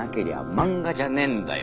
漫画じゃねーんだよ。